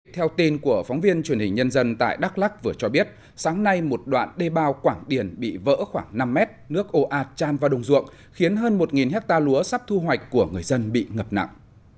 theo tin của phóng viên truyền hình nhân dân tại đắk lắc vừa cho biết sáng nay một đoạn đê bao quảng điền bị vỡ khoảng năm mét nước ồ ạt chan vào đồng ruộng khiến hơn một hectare lúa sắp thu hoạch của người dân bị ngập nặng